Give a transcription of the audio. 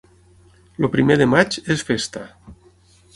El primer de maig és festa.